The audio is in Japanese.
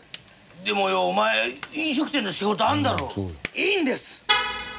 でもよお前飲食店の仕事あるんだろ？いいんです！